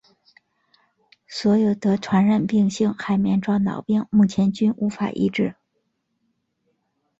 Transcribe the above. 所有得传染性海绵状脑病目前均无法医治。